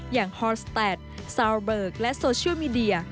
อย่างฮอร์สแตดซาวเบิร์กและโซเชียลมีเดีย